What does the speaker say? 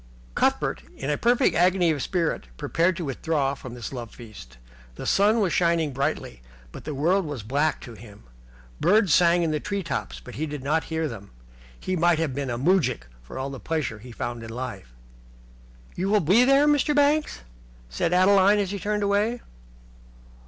Cuthbert in a perfect agony of spirit prepared to withdraw from this love feast. The sun was shining brightly, but the world was black to him. Birds sang in the tree tops, but he did not hear them. He might have been a moujik for all the pleasure he found in life. "You will be there, Mr. Banks?" said Adeline, as he turned away.